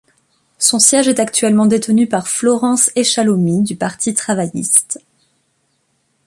Son siège est actuellement détenu par Florence Eshalomi du Parti travailliste.